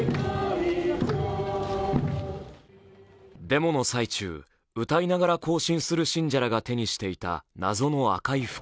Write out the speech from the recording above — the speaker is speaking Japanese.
デモの最中、歌いながら行進する信者らが手にしていた謎の赤い袋。